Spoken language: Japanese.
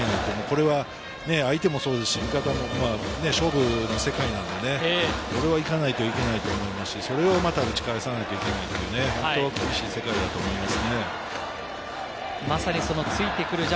これは相手もそうですし、勝負の世界なんでね、これは行かないといけないと思いますし、それをまた打ち返さないといけないというか、本当に厳しい世界だと思います。